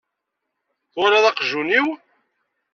Twalaḍ aqjun-iw?